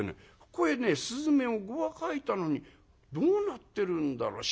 ここへね雀を５羽描いたのにどうなってるんだろう」。